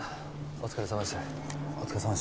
お疲れさまです